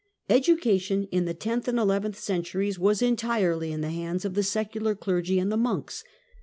Education in the tenth and eleventh nturies was entirely in the hands of the secular clergy and the monks.